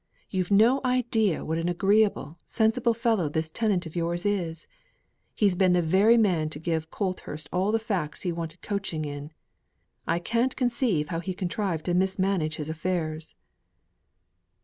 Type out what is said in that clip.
You've no idea what an agreeable, sensible fellow this tenant of yours is. He has been the very man to give Colthurst all the facts he wanted coaching in. I can't conceive how he contrived to mismanage his affairs."